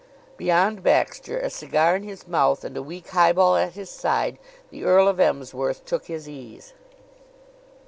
Beyond Baxter, a cigar in his mouth and a weak highball at his side, the Earl of Emsworth took his ease.